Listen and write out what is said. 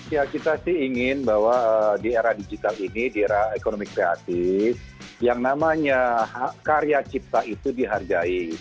ya kita sih ingin bahwa di era digital ini di era ekonomi kreatif yang namanya karya cipta itu dihargai